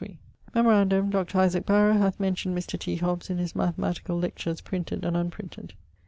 Memorandum: Dr. Isaac Barrow hath mentioned Mr. T. Hobbes in his mathematicall lectures, printed and unprinted.